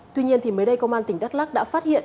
tuy nhiên mới đây công an tỉnh đắk lắc đã phát hiện